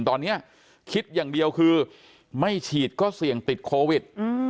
ตอนนี้คิดอย่างเดียวคือไม่ฉีดก็เสี่ยงติดโควิด